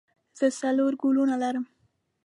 زه څلور ګلونه لرم.